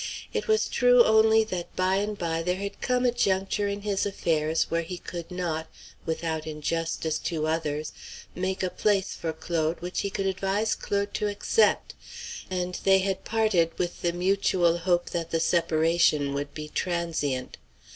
It was true only that by and by there had come a juncture in his affairs where he could not, without injustice to others, make a place for Claude which he could advise Claude to accept, and they had parted with the mutual hope that the separation would be transient.